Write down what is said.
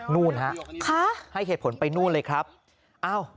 นู่นฮะให้เหตุผลไปนู่นเลยครับ